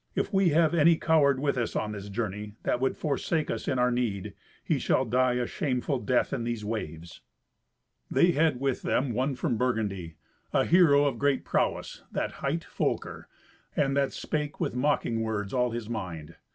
If we have any coward with us on this journey, that would forsake us in our need, he shall die a shameful death in these waves." They had with them one from Burgundy, a hero of great prowess, that hight Folker, and that spake with mocking words all his mind.